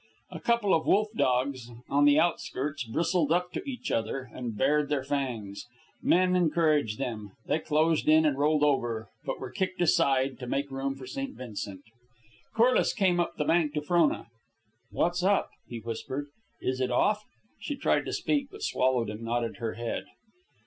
A couple of wolf dogs, on the outskirts, bristled up to each other and bared their fangs. Men encouraged them. They closed in and rolled over, but were kicked aside to make room for St. Vincent. Corliss came up the bank to Frona. "What's up?" he whispered. "Is it off?" She tried to speak, but swallowed and nodded her head.